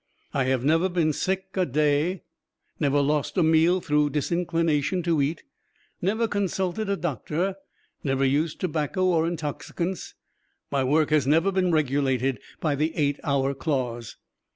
I have never been sick a day, never lost a meal through disinclination to eat, never consulted a doctor, never used tobacco or intoxicants. My work has never been regulated by the eight hour clause.